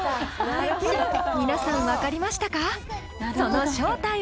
皆さん分かりましたか？